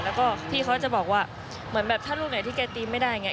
แล้วก็พี่เขาจะบอกว่าเหมือนแบบถ้ารูปไหนที่แกตีไม่ได้อย่างนี้